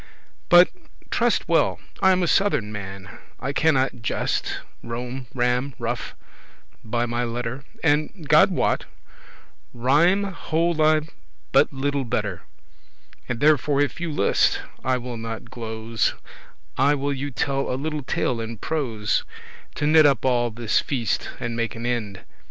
But, truste well, I am a southern man, I cannot gest,* rom, ram, ruf, <1> by my letter; *relate stories And, God wot, rhyme hold I but little better. And therefore if you list, I will not glose,* *mince matters I will you tell a little tale in prose, To knit up all this feast, and make an end.